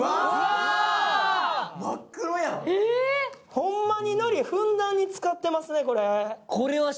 ホンマに、のりふんだんに使ってますね。